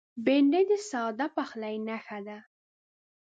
بېنډۍ د ساده پخلي نښه ده